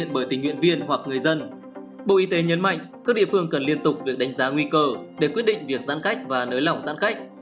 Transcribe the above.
bộ y tế nhấn mạnh các địa phương cần liên tục việc đánh giá nguy cơ để quyết định việc giãn cách và nới lỏng giãn cách